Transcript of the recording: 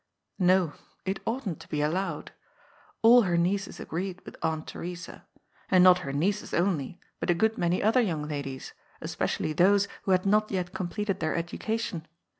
No, it oughtn't to be allowed. All her nieces agreed with Aunt Theresa. And not her nieces only, but a good many other young ladies, especially those who had not yet completed their education.